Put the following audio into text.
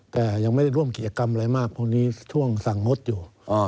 แต่ยังไม่ได้ร่วมกิจกรรมอะไรมากพวกนี้ช่วงสั่งงดอยู่